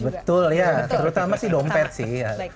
betul ya terutama sih dompet sih